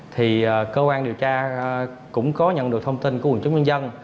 thì cơ quan điều tra cũng có nhận được thông tin của quần chúng nhân dân